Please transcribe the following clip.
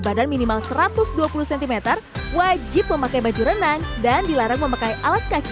badan minimal satu ratus dua puluh cm wajib memakai baju renang dan dilarang memakai alas kaki